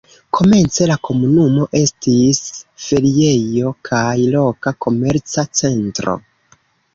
Komence la komunumo estis feriejo kaj loka komerca centro.